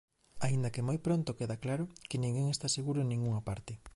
Aínda que moi pronto queda claro que ninguén está seguro en ningunha parte.